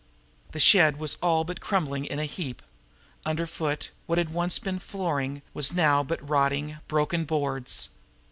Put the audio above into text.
The shed was all but crumbling in a heap. Underfoot, what had once been flooring, was now but rotting, broken boards.